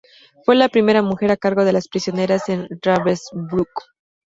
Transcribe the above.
Fue la primera mujer a cargo de las prisioneras en Ravensbrück.